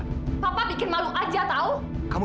saya hanya membuat anda malu